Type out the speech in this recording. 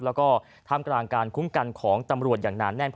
แล้วก็ท่ามกลางการคุ้มกันของตำรวจอย่างหนาแน่น